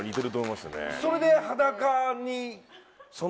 それで裸に。